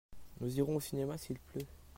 Nous irons au cinéma s'il pleut.